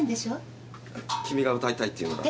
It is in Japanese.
君が「歌いたい」って言うんなら。